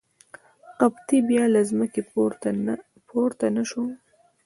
قبطي بیا له ځمکې پورته نه شو.